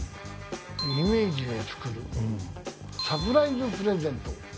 イメージで作るサプライズプレゼント。